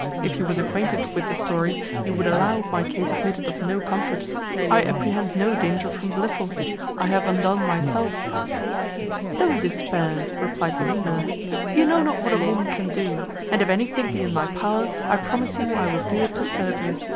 If you was acquainted with the story, you would allow my case admitted of no comfort. I apprehend no danger from Blifil. I have undone myself." "Don't despair," replied Mrs Miller; "you know not what a woman can do; and if anything be in my power, I promise you I will do it to serve you.